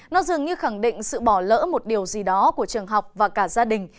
nó dường như khẳng định sự bỏ lỡ một điều gì đó của trường học và cả gia đình